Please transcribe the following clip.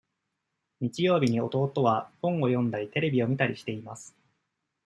日曜日に弟は本を読んだりテレビを見たりしています。